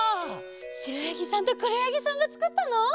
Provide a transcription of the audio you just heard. しろやぎさんとくろやぎさんがつくったの？